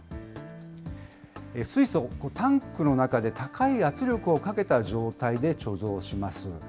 水素、タンクの中で高い圧力をかけた状態で貯蔵します。